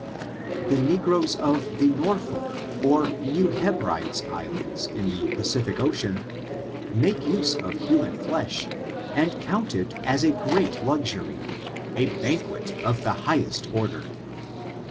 The n^roes of the Norfolk, or New Hebrides Isl« ands^ in the Pacific Ocean, make use of human flesh and count it as a great luxury — a banquet of the highest order.